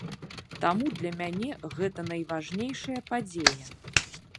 Таму для мяне гэта найважнейшая падзея.